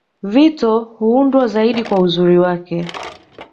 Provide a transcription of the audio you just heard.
Vito huundwa zaidi kwa uzuri wake